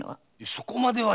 そこまでは。